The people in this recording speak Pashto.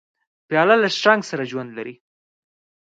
پیاله له شرنګ سره ژوند لري.